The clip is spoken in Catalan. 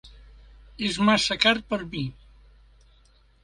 Es massa car per mi.